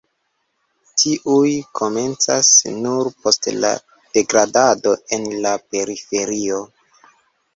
Tiuj komencas nur poste la degradado en la periferio.